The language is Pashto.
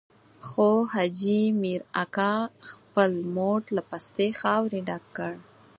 خو حاجي مير اکا خپل موټ له پستې خاورې ډک کړ.